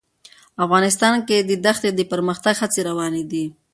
افغانستان کې د ښتې د پرمختګ هڅې روانې دي.